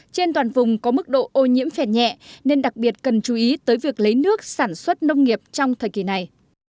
trên toàn vùng có mức độ ô nhiễm phèn nhẹ nên đặc biệt cần chú ý tới việc lấy nước sản xuất nông nghiệp trong thời kỳ này